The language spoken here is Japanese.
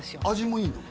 味もいいの？